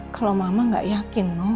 kalau mama gak yakin dong